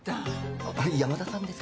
あっ山田さんですか？